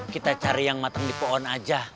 kita cari yang matang di pohon aja